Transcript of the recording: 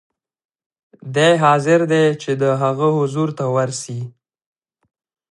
دی حاضر دی چې د هغه حضور ته ورسي.